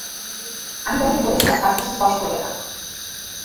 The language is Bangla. আমি তোমাকে বলেছিলাম তার কিছু স্পর্শ করবে না।